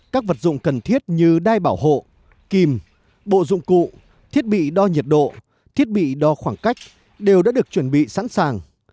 các vật dụng cần thiết như đai bảo hộ kim bộ dụng cụ thiết bị đo nhiệt độ thiết bị đo khoảng cách đều đã được chuẩn bị sẵn sàng